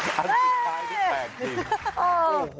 อันสุดท้ายที่แปลกจริง